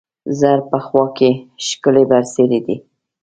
زهر په خوا کې، ښکلې برسېرې دي